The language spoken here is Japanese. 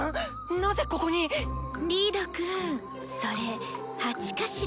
なぜここにッ⁉リードくんそれ鉢かしら？